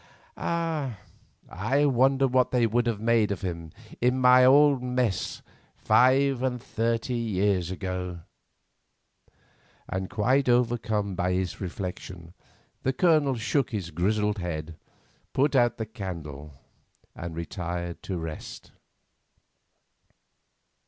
Ah, I wonder what they would have made of him in my old mess five and thirty years ago?" And quite overcome by this reflection, the Colonel shook his grizzled head, put out the candle, and retired to rest.